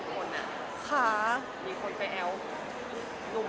ก็น่ารักดีค่ะก็น่ารักดี